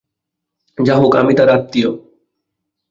যাইহোক, আমি তার আত্মীয়।